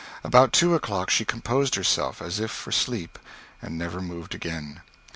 About two o'clock she composed herself as if for sleep, and never moved again.